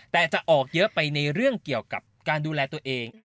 แต่จะออกเยอะไปในเรื่องเกี่ยวกับการดูแลตัวเอง